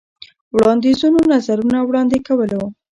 وړاندیزونو ، نظرونه وړاندې کولو.